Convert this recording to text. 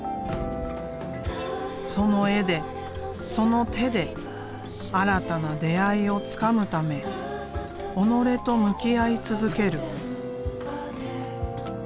その絵でその手で新たな出会いをつかむため己と向き合い続ける。